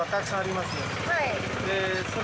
はい。